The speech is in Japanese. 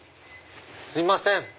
すいません。